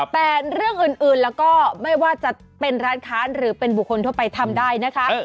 แต่เรื่องอื่นแล้วก็ไม่ว่าจะเป็นร้านค้าหรือเป็นบุคคลทั่วไปทำได้นะคะ